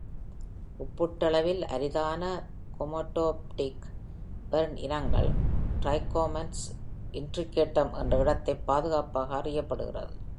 ஒப்பீட்டளவில் அரிதான கேமோட்டோஃப்டிக் ஃபெர்ன் இனங்கள், "ட்ரைக்கோமன்ஸ் இன்ட்ரிகேட்டம்" என்ற இடத்தைப் பாதுகாப்பதாக அறியப்படுகிறது.